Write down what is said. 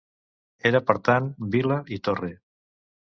Era per tant vila i torre.